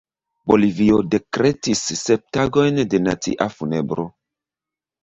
Bolivio dekretis sep tagojn de nacia funebro.